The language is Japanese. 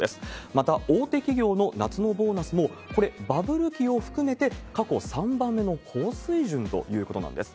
また大手企業の夏のボーナスも、これ、バブル期を含めて過去３番目の高水準ということなんです。